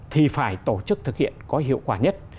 thì phải tổ chức thực hiện có hiệu quả nhất